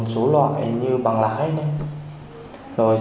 một số loại như bằng lái